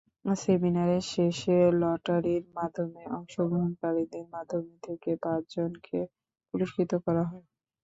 সেমিনারে শেষে লটারির মধ্যমে অংশগ্রহনকারীদের মধ্যে থেকে পাঁচজনকে পুরস্কৃত করা হয়।